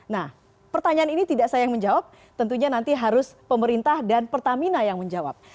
nah pertanyaan ini tidak sayang menjawab tentunya nanti harus pemerintah dan pertamina yang menjawab